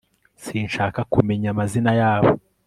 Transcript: sinshaka kumenya amazina yabo